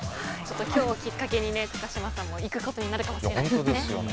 今日をきっかけに高嶋さんも行くことになるかもしれないですね。